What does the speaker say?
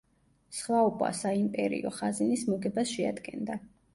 სხვაობა საიმპერიო ხაზინის მოგებას შეადგენდა.